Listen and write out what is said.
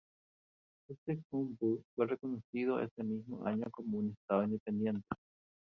Hesse-Homburg fue reconocido ese mismo año como un Estado independiente.